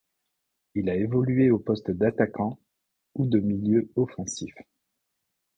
Il a évolué au poste d'attaquant ou de milieu offensif.